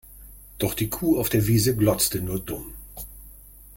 Doch die Kuh auf der Wiese glotzte nur dumm.